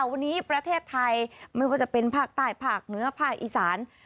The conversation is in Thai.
วันนี้ประเทศไทยไม่ว่าจะเป็นภาคใต้ภาคเหนือภาคอีสาน